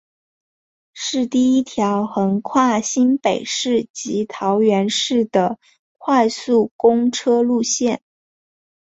是第一条横跨新北市及桃园市的快速公车路线。